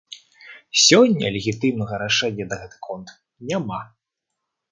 Сёння легітымнага рашэння на гэты конт няма.